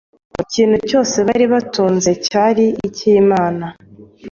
Ikintu cyose bari batunze cyari icy’Imana;